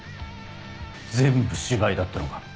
全部芝居だったのか？